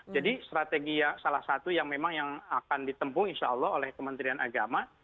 jadi strategi yang salah satu yang memang yang akan ditempung insya allah oleh kementerian agama